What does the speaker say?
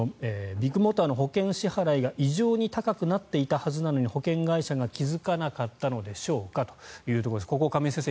ビッグモーターの保険支払いが異常に高くなっていたはずなのに保険会社が気付かなかったのでしょうかというところですがここは亀井先生